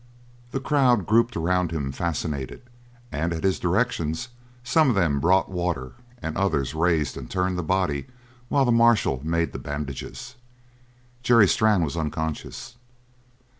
The crowd grouped around him, fascinated, and at his directions some of them brought water and others raised and turned the body while the marshal made the bandages; Jerry Strann was unconscious.